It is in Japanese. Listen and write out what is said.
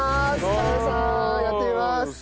原田さんやってみます！